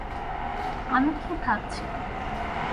আমি কী ভাবছি?